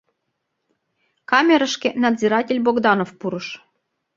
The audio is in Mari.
Камерышке надзиратель Богданов пурыш.